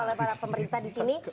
oleh para pemerintah disini